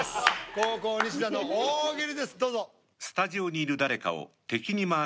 後攻西田の大喜利ですどうぞ。